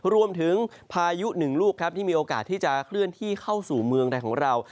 พายุหนึ่งลูกครับที่มีโอกาสที่จะเคลื่อนที่เข้าสู่เมืองไทยของเรา